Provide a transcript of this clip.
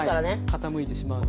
傾いてしまうので。